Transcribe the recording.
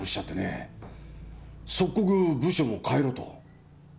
即刻部署も変えろと。